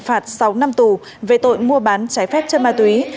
tư là phụng bị phạt sáu năm tù về tội mua bán trái phép chất ma túy